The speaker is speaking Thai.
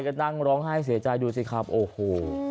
ก็นั่งร้องไห้เสียใจดูสิครับโอ้โห